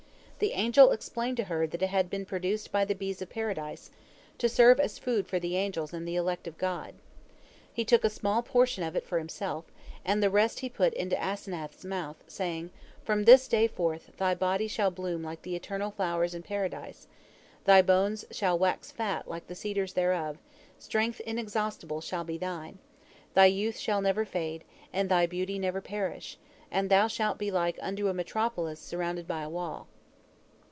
The angel explained to her that it had been produced by the bees of Paradise, to serve as food for the angels and the elect of God. He took a small portion of it for himself, and the rest he put into Asenath's mouth, saying: "From this day forth thy body shall bloom like the eternal flowers in Paradise, thy bones shall wax fat like the cedars thereof, strength inexhaustible shall be thine, thy youth shall never fade, and thy beauty never perish, and thou shalt be like unto a metropolis surrounded by a wall."